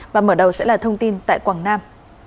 và mở đầu sẽ là thông tin tại quảng nam